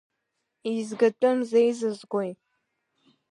Еизгатәым зеизызгои?